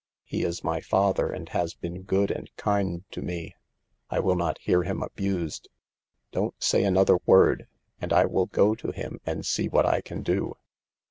He is my father, and has been good and kind to me. I will not hear him abused. Don't say another word, and I will go to him and see what I can do."